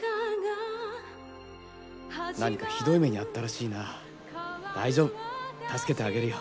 何かひどい目にあったらしいな大丈夫助けてあげるよ。